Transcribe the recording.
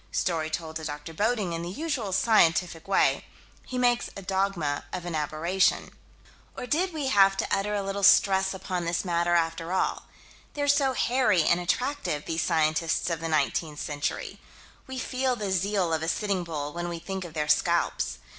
Story told to Dr. Bodding: in the usual scientific way, he makes a dogma of an aberration. Or we did have to utter a little stress upon this matter, after all. They're so hairy and attractive, these scientists of the 19th century. We feel the zeal of a Sitting Bull when we think of their scalps.